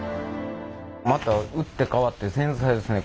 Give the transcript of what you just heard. また打って変わって繊細ですね